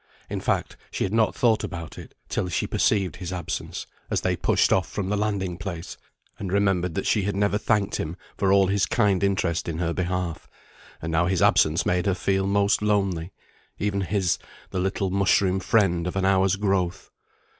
In fact, she had not thought about it, till she perceived his absence, as they pushed off from the landing place, and remembered that she had never thanked him for all his kind interest in her behalf; and now his absence made her feel most lonely even his, the little mushroom friend of an hour's growth.